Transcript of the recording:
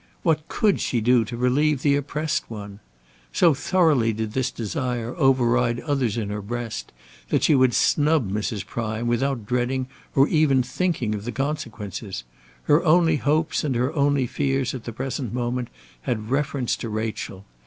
what could she do to relieve that oppressed one! So thoroughly did this desire override all others in her breast, that she would snub Mrs. Prime without dreading or even thinking of the consequences. Her only hopes and her only fears at the present moment had reference to Rachel.